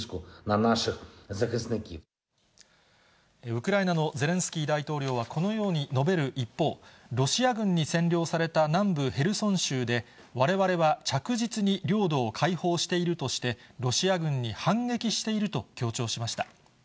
ウクライナのゼレンスキー大統領はこのように述べる一方、ロシア軍に占領された南部ヘルソン州で、われわれは着実に領土を解放しているとして、ロシア軍に反撃していると強調しました。